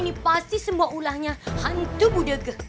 ini pasti semua ulahnya hantu budeg